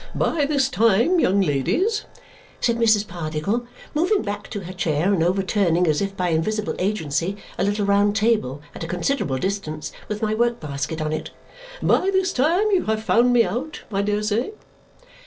By this time, young ladies," said Mrs. Pardiggle, moving back to her chair and overturning, as if by invisible agency, a little round table at a considerable distance with my work basket on it, "by this time you have found me out, I dare say?"